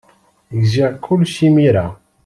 Gziɣ kullec imir-a.